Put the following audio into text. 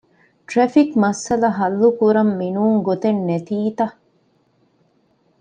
ޓްރެފިކް މައްސަލަ ހައްލުކުރަން މި ނޫން ގޮތެއް ނެތީތަ؟